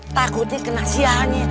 takutnya kena siaannya